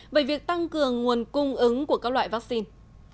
về việc tăng cường nguồn cung ứng của các loại vaccine